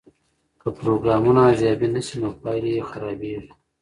که پروګرامونه ارزیابي نسي نو پایلې یې خرابیږي.